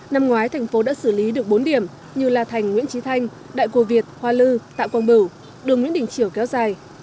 năm ngoái thành phố đã xử lý được bốn điểm như là thành nguyễn trí thanh đại cô việt hoa lư tạ quang bửu đường nguyễn đình triều kéo dài